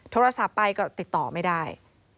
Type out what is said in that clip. โทรศัพท์ไปก็ติดต่อไม่ได้